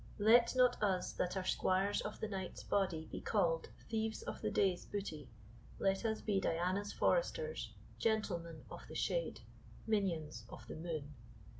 Let not us that are squires of the night's body be called thieves of the day's booty; let us be Diana's foresters, gentlemen of the shade, minions of the moon.